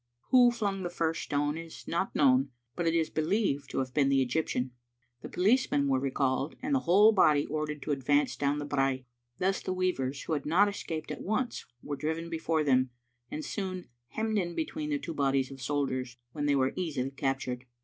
Who flung the first stone is not known, but it is be lieved to have been the Egyptian. The policemen were recalled, and the whole body ordered to advance down the brae. Thus the weavers who had not escaped at once were driven before them, and soon hemmed in between the two bodies of soldiers, when they were easily captured.